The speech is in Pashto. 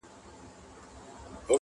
o څه چي په دېگ کي وي، په ملاغه کي راوزي.